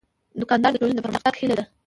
دوکاندار د ټولنې د پرمختګ هیله لري.